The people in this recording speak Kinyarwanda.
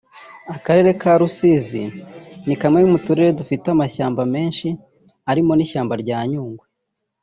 Akarere ka Rusizi ni kamwe mu turere dufite amashyamba menshi arimo n’ishyamba rya Nyungwe